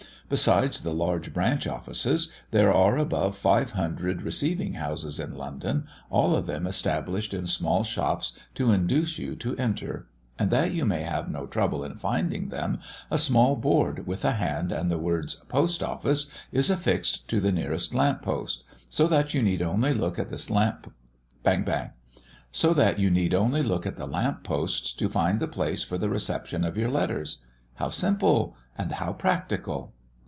Besides the large branch offices, there are above five hundred receiving houses in London, all of them established in small shops, to induce you to enter; and that you may have no trouble in finding them, a small board with a hand, and the words "Post Office," is affixed to the nearest lamp post, so that you need only look at the lamp posts to find the place for the reception of your letters. How simple, and how practical!